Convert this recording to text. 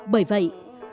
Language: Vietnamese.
bởi vậy ước mong